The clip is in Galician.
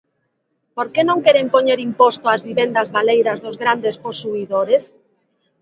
¿Por que non queren poñer imposto ás vivendas baleiras dos grandes posuidores?